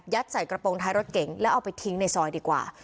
ใส่กระโปรงท้ายรถเก๋งแล้วเอาไปทิ้งในซอยดีกว่า